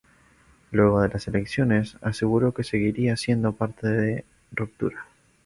Luego de las elecciones aseguró que seguirá siendo parte de Ruptura.